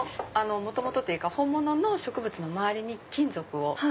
元々っていうか本物の植物の周りに金属を。